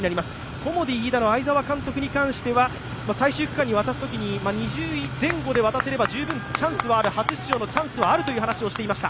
コモディイイダの会沢監督に関しては最終区間に渡すときに２０位前後で渡せれば、十分初出場のチャンスはあるという話をしていました。